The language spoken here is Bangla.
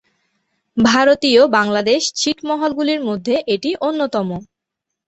ভারতীয়-বাংলাদেশ ছিটমহল গুলির মধ্যে এটি অন্যতম।